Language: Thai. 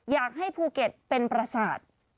อยากให้ภูเก็ตเป็นประสาท